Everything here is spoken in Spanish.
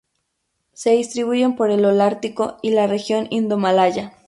Se distribuyen por el holártico y la región indomalaya.